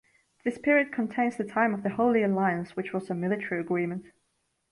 This period contains the time of the Holy Alliance, which was a military agreement.